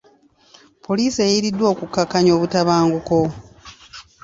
Poliisi eyiiriddwa okukakkanya obutabanguko.